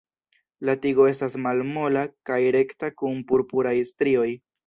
La tigo estas malmola kaj rekta kun purpuraj strioj.